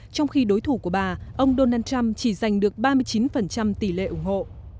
trong khi đối thủ của bà ông donald trump chỉ giành được ba mươi chín tỷ lệ ủng hộ